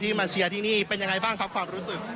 มาเชียร์ที่นี่เป็นยังไงบ้างครับความรู้สึก